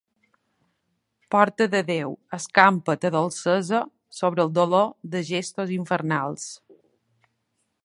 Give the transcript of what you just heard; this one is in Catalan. Porta de Déu, escampa ta dolcesa sobre el dolor de gestos infernals.